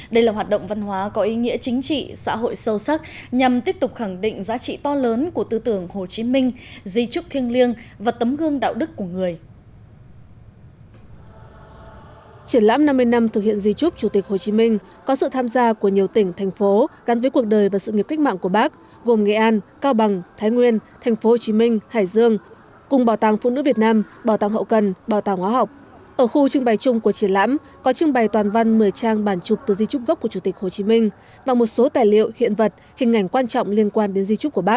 đây là hoạt động văn hóa có ý nghĩa chính trị xã hội sâu sắc nhằm tiếp tục khẳng định giá trị to lớn của tư tưởng hồ chí minh di trúc thiêng liêng và tấm gương đạo đức của người